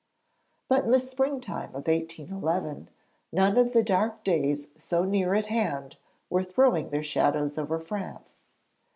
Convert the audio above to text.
But in the springtime of 1811, none of the dark days so near at hand were throwing their shadows over France.